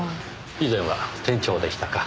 以前は店長でしたか。